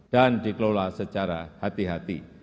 dan dikelola secara hati hati